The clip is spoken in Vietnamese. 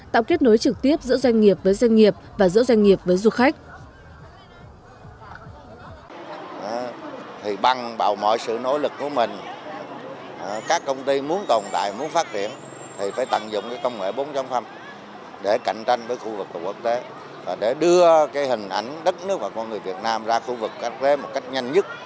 tạo kết nối trực tiếp giữa doanh nghiệp với doanh nghiệp và giữa doanh nghiệp với du khách